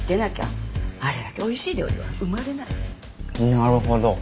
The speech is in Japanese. なるほど。